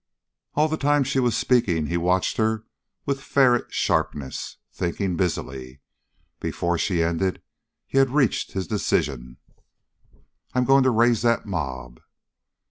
All the time she was speaking, he watched her with ferret sharpness, thinking busily. Before she ended he had reached his decision. "I'm going to raise that mob."